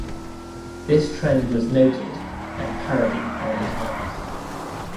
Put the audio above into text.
This trend was noted and parodied many times.